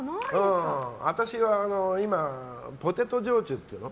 私は今、ポテト焼酎っていうの？